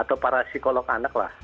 atau para psikolog anak lah